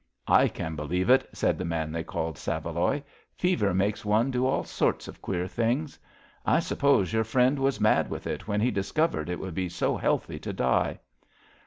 ''I can believe it/' said the man they called Saveloy. Fever makes one do all sorts of queer things. I suppose your friend was mad with it when he discovered it would be so healthy to die."